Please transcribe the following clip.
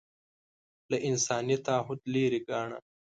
له انساني تعهد لرې ګاڼه